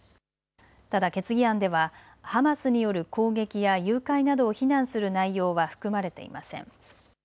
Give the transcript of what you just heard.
ただ決議案ではハマスによる攻撃や誘拐などを非難する内容は含まれていません。